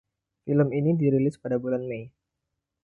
Film ini dirilis pada bulan Mei.